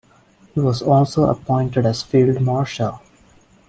He was also appointed as field marshal.